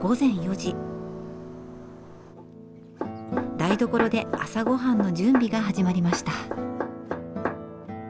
台所で朝ごはんの準備が始まりました。